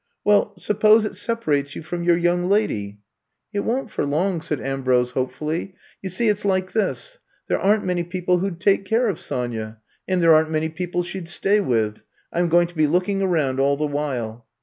Well, suppose it separates you from your young lady?" I'VE COME TO STAY 91 It won^t for long," said Ambrose hope fully. *^You see, it *s like this — there are n 't many people who *d take care of Sonya, and there are n 't many people she 'd stay with. I 'm going to be looking around all the while.